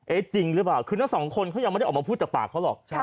จริงหรือเปล่าคือทั้งสองคนเขายังไม่ได้ออกมาพูดจากปากเขาหรอก